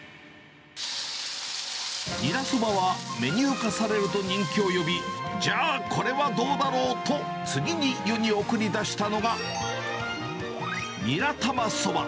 ニラそばはメニュー化されると人気を呼び、じゃあこれはどうだろう？と次に世に送り出したのが、ニラ玉そば。